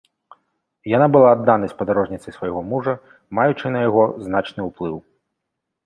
Яна была адданай спадарожніцай свайго мужа, маючы на яго значны ўплыў.